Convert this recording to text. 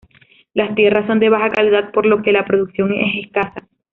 Las tierras son de baja calidad, por lo que la producción es escasa.